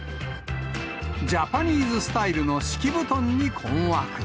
ジャパニーズスタイルの敷布団に困惑。